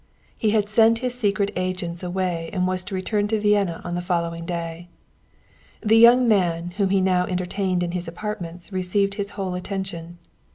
He had sent his secret agents away and was to return to Vienna on the following day. The young man whom he now entertained in his apartments received his whole attention.